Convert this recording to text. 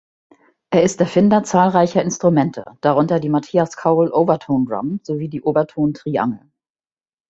Er ist Erfinder zahlreicher Instrumente, darunter die Matthias Kaul-„Overtonedrum“ sowie die Oberton-Triangel.